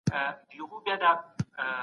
هغوی په کتابتون کي په ډېرې ارامۍ سره ناست وو.